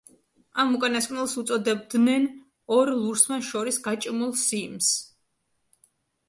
ამ უკანასკნელს უწოდებდნენ ორ ლურსმანს შორის გაჭიმულ სიმს.